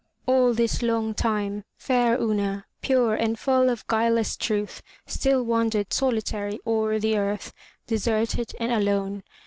All this long time, fair Una, pure and full of guileless truth, still wandered solitary o*er the earth, deserted and alone.